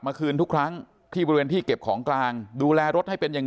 คืนทุกครั้งที่บริเวณที่เก็บของกลางดูแลรถให้เป็นอย่าง